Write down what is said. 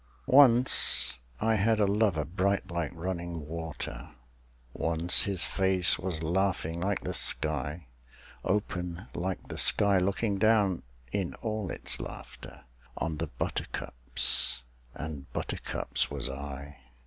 Once I had a lover bright like running water, Once his face was laughing like the sky; Open like the sky looking down in all its laughter On the buttercups and buttercups was I.